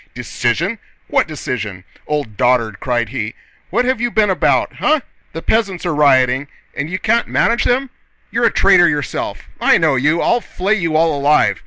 "Decision? What decision? Old dotard!..." cried he. "What have you been about? Eh? The peasants are rioting, and you can't manage them? You're a traitor yourself! I know you. I'll flay you all alive!..."